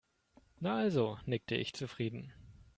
Na also, nickte ich zufrieden.